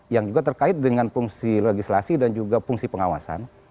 yang juga terkait dengan fungsi legislasi dan juga fungsi pengawasan